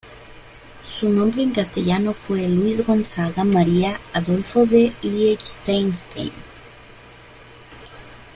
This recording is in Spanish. Su nombre en castellano fue: "Luis Gonzaga María Adolfo de Liechtenstein".